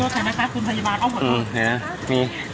ขอโทษทีนะคะคุณพยาบาลเอาหมด